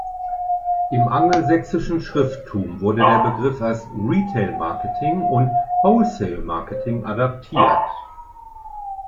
Im angelsächsischen Schrifttum wurde der Begriff als "retail marketing" und "wholesale marketing" adaptiert.